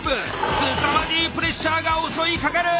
すさまじいプレッシャーが襲いかかる！